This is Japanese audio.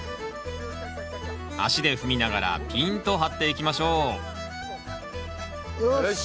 足で踏みながらピーンと張っていきましょうよし。